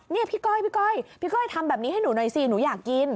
นี่พี่ก้อยพี่ก้อยพี่ก้อยทำแบบนี้ให้หนูหน่อยสิหนูอยากกิน